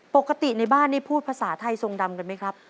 ปกติในบ้านพูดพัศนาไทยทรงดำไม่ครับ